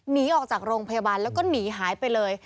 หนีออกจากโรงพยาบาลแล้วก็หนีหายไปเลย